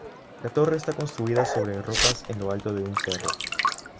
La torre está construida sobre rocas en lo alto de un cerro.